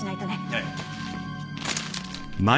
ええ。